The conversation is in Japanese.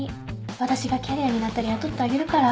わたしがキャリアになったら雇ってあげるから。